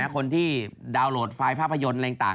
คนที่ดาวน์โหลดไฟล์ภาพยนตร์อะไรต่าง